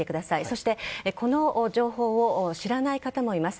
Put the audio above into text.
そしてこの情報を知らない方もいます。